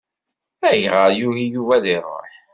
Ayɣeṛ yugi Yuba ad iṛuḥ?